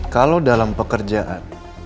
kalau dalam pekerjaan